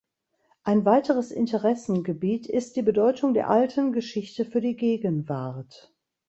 Ein weiteres Interessengebiet ist die Bedeutung der Alten Geschichte für die Gegenwart.